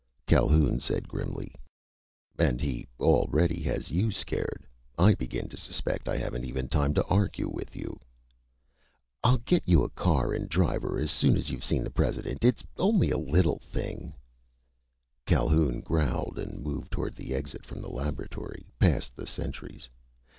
Calhoun said grimly: "And he already has you scared! I begin to suspect I haven't even time to argue with you!" "I'll get you a car and driver as soon as you've seen the President. It's only a little thing " Calhoun growled and moved toward the exit from the laboratory. Past the sentries.